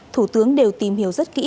thủ tướng đều tìm hiểu rất kỹ